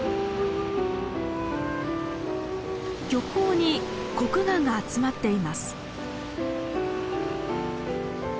漁港にコクガンが集まっています。